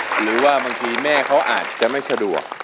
หรือว่าบางทีแม่เขาอาจจะไม่สะดวก